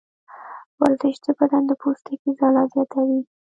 ورزش د بدن د پوستکي ځلا زیاتوي.